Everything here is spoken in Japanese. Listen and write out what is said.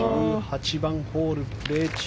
１８番ホール、プレー中。